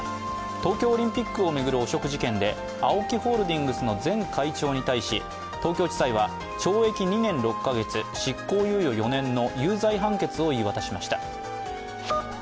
東京オリンピックを巡る汚職事件で、ＡＯＫＩホールディングスの前会長に対し、東京地裁は懲役２年６か月執行猶予４年の有罪判決を言い渡しました。